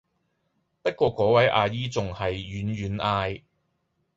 不過果位阿姨仲喺遠遠嗌